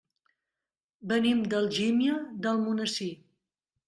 Venim d'Algímia d'Almonesir.